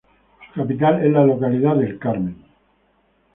Su capital es la localidad de El Carmen.